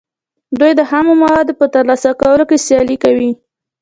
دوی د خامو موادو په ترلاسه کولو کې سیالي کوي